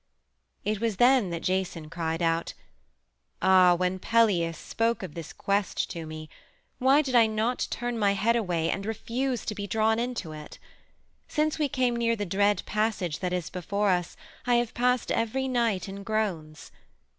It was then that Jason cried out: "Ah, when Pelias spoke of this quest to me, why did I not turn my head away and refuse to be drawn into it? Since we came near the dread passage that is before us I have passed every night in groans.